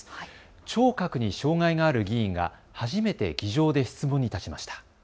聴覚に障害がある議員が初めて議場で質問に立ちました。